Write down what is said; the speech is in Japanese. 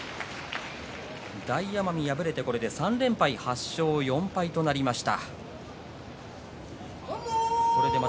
大奄美、敗れてこれで３連敗８勝４敗となりました。